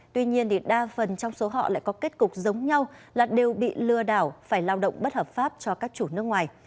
tuy nhiên đa phần trong số họ lại có kết cục giống nhau là đều bị lừa đảo phải lao động bất hợp pháp cho các chủ nước ngoài